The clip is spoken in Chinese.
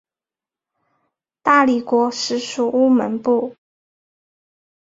大理国时属乌蒙部。